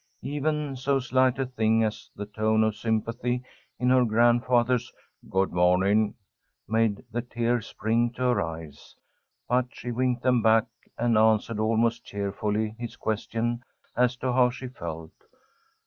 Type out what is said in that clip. Even so slight a thing as the tone of sympathy in her grandfather's "good morning" made the tears spring to her eyes, but she winked them back, and answered almost cheerfully his question as to how she felt.